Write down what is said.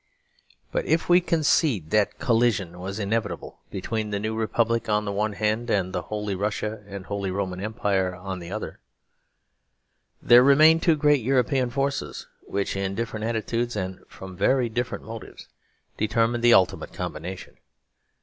But if we concede that collision was inevitable between the new Republic on the one hand and Holy Russia and the Holy Roman Empire on the other, there remain two great European forces which, in different attitudes and from very different motives, determined the ultimate combination.